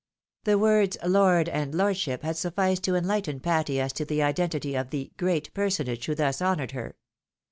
The words Lord and Lordship had sufficed to enlighten Patty as to the identity of the great personage who thus honoured her.